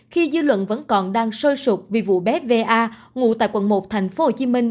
khi dư luận vẫn còn đang sôi sụp vì vụ bé va ngủ tại quận một thành phố hồ chí minh